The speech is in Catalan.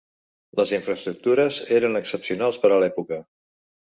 Les infraestructures eren excepcionals per a l'època.